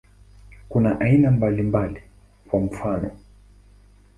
Kuna aina mbalimbali, kwa mfano.